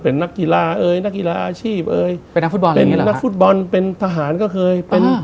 เป็นนักฟุตบอลเป็นทหารก็เคย